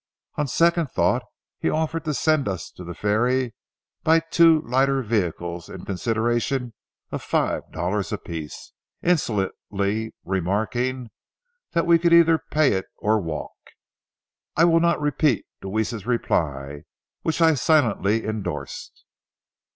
On second thought he offered to send us to the ferry by two lighter vehicles in consideration of five dollars apiece, insolently remarking that we could either pay it or walk. I will not repeat Deweese's reply, which I silently endorsed.